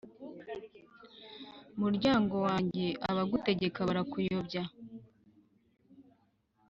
Muryango wanjye, abagutegeka barakuyobya,